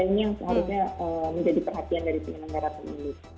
ini yang seharusnya menjadi perhatian dari tinggi negara kemungkinan